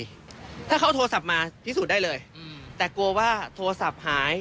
ถ้าเขาเอาโทรศัพท์มาพิสูจน์ได้เลยแต่กลัวว่าโทรศัพท์หาย